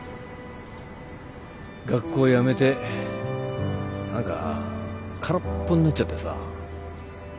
学校辞めて何か空っぽになっちゃってさ。